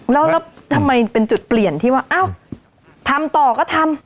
แล้วทำไมเป็นจุดเปลี่ยนที่ว่าอ้าวทำต่อก็ทำ